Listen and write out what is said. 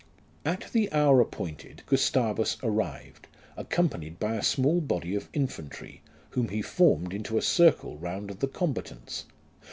" At the hour appointed Gustavus arrived, accompanied by a small body of infantry, whom he formed into a circle round the combatants.